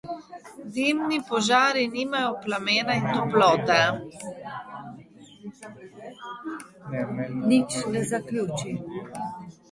Dimni požari nimajo plamena in toplote.